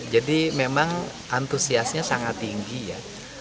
jadi memang antusiasnya sangat tinggi ya